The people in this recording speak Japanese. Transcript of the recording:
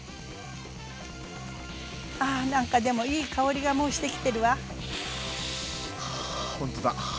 ああ何かでもいい香りがもうしてきてるわ。はほんとだ！